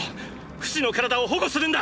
フシの体を保護するんだ！！